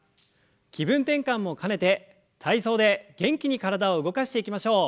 気分転換も兼ねて体操で元気に体を動かしていきましょう。